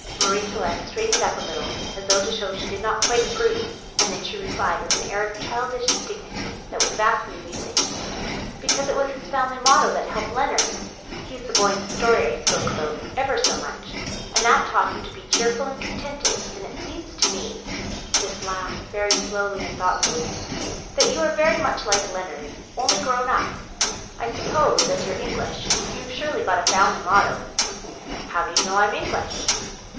Marie Celeste straightened up a little, as though to show she did not quite approve, and then she replied, with an air of childish dignity that was vastly amusing, "Because it was his family motto that helped Leonard (he's the boy in the story I spoke about) ever so much, and that taught him to be cheerful and contented, and it seems to me" this last very slowly and thoughtfully "that you are very much like Leonard, only grown up. I suppose, as you're English, you've surely got a family motto." "How do you know I'm English?"